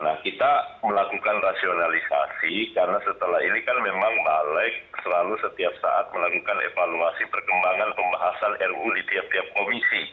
nah kita melakukan rasionalisasi karena setelah ini kan memang balik selalu setiap saat melakukan evaluasi perkembangan pembahasan ruu di tiap tiap komisi